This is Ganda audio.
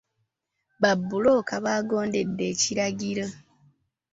Babbulooka baagondedde ekiragiro.